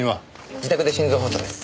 自宅で心臓発作です。